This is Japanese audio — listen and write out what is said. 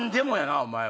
お前は。